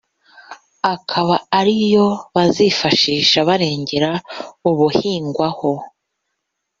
akaba ari yo bazifashisha barengera ubuhingwaho